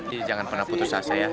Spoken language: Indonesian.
jadi jangan pernah putus asa ya